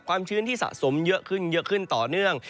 ความชื้นที่สะสมเยอะขึ้นต่อเนื่อง